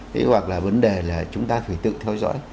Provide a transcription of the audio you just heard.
thế hoặc là vấn đề là chúng ta phải tự theo dõi